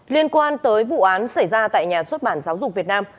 liên quan tới vụ án xảy ra tại nhà xuất bản giáo dục việt nam